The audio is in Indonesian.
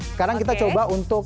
sekarang kita coba untuk